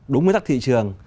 đúng mưu tắc thị trường